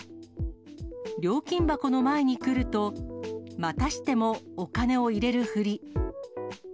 料金箱の前に来ると、またしてもお金を入れるふり。